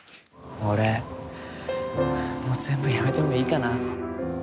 俺もう全部やめてもいいかな。